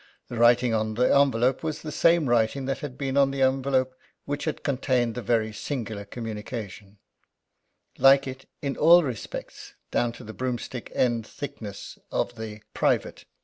The writing on the envelope was the same writing that had been on the envelope which had contained the very singular communication like it in all respects down to the broomstick end thickness of the "Private!"